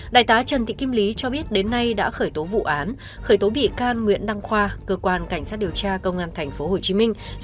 đại tá trần thị kim lý cho biết đến nay đã khởi tố vụ án khởi tố bị can nguyễn đăng khoa cơ quan cảnh sát điều tra công an tp hcm